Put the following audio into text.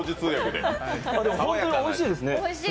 でも本当においしいですね。